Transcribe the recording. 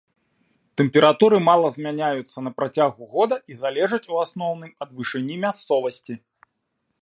Тэмпературы мала змяняюцца на працягу года і залежаць у асноўным ад вышыні мясцовасці.